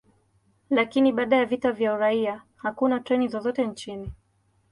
Lakini baada ya vita vya uraia, hakuna treni zozote nchini.